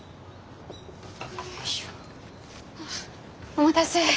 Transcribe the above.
お待たせ。